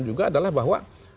juga adalah bahwa